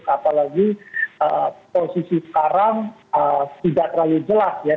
apalagi posisi sekarang tidak terlalu jelas ya